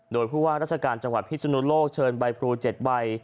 โดยผู้ว่าราชการจังหวัดพิศนุโลกเชิญใบพลู๗ใบ